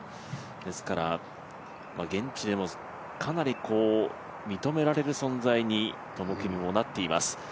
ですから現地でもかなり認められる存在にトム・キムもなっています。